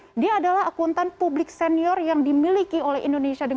dan selanjutnya juga ada bapak haryanto dia adalah akuntan publik senior yang dimiliki oleh indonesia deku